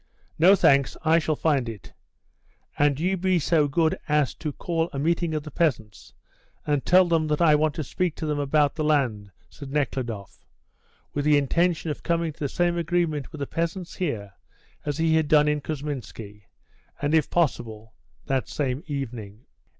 "No, thanks, I shall find it; and you be so good as to call a meeting of the peasants, and tell them that I want to speak to them about the land," said Nekhludoff, with the intention of coming to the same agreement with the peasants here as he had done in Kousminski, and, if possible, that same evening.